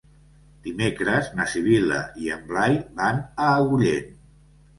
Dimecres na Sibil·la i en Blai van a Agullent.